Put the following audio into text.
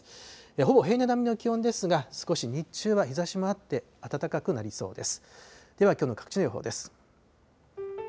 ほぼ平年並みの気温ですが、少し日中は日ざしもあって、暖かくなりそうです。